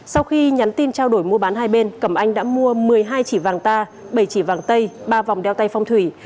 sau khi nhắn tin trao đổi mua bán hai bên cẩm anh đã mua một mươi hai chỉ vàng ta bảy chỉ vàng tây ba vòng đeo tay phong thủy